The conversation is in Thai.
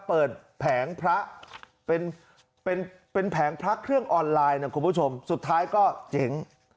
แผงพระเป็นเป็นแผงพระเครื่องออนไลน์นะคุณผู้ชมสุดท้ายก็เจ๊ง